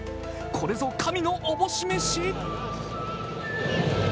これぞ神の思し召し？